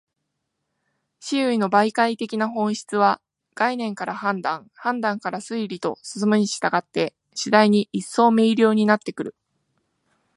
思惟の媒介的な本質は、概念から判断、判断から推理と進むに従って、次第に一層明瞭になってくる。